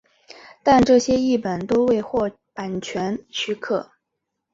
但这些译本都未获版权许可。